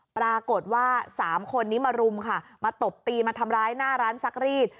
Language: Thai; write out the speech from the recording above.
ปรากฏว่าสามคนนี้มารุมค่ะมาตบตีมาทำร้ายหน้าร้านซักรีด